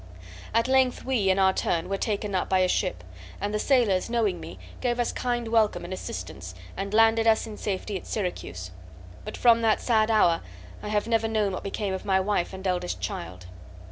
At length we, in our turn, were taken up by a ship, and the sailors, knowing me, gave us kind welcome and assistance and landed us in safety at Syracuse; but from that sad hour I have never known what became of my wife and eldest child.